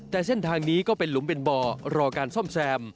แต่เส้นทางนี้ก็เป็นหลุมเป็นบ่อรอการซ่อมแซม